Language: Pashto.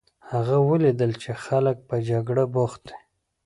هغه ولیدل چې خلک په جګړه بوخت دي.